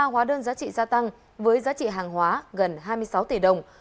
ba hóa đơn giá trị gia tăng với giá trị hàng hóa gần hai mươi sáu tỷ đồng